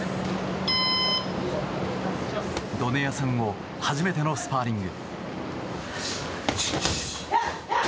ドネア戦後初めてのスパーリング。